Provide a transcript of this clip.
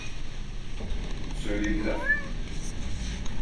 Söylediler.